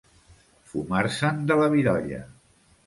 Fúmer-se'n de la virolla.